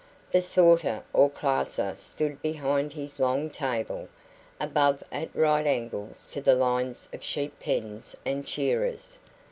The sorter or classer stood behind his long table, above and at right angles to the lines of sheep pens and shearers.